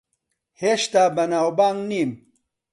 هێشتا بەناوبانگ نیم.